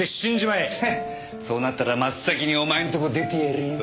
へっそうなったら真っ先にお前んとこ出てやるよ。